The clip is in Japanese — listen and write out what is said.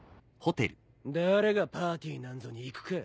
誰がパーティーなんぞに行くか。